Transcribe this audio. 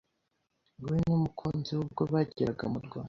we n’umukunzi we ubwo bageraga mu rwanda